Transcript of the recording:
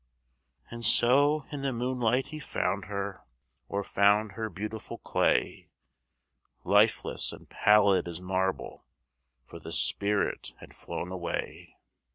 And so in the moonlight he found her, Or found her beautiful clay, Lifeless and pallid as marble, For the spirit had flown away.